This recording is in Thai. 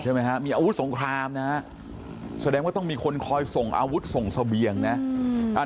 ใช่มั้ยฮะอาวุธสงครามนะแสดงว่าต้องมีคนคอยส่งอาวุธส่งสเบียงเนี่ย